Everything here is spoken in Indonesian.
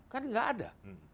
kan nggak ada